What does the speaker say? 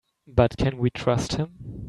But can we trust him?